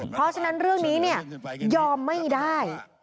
เพราะฉะนั้นเรื่องนี้ยอมไม่ได้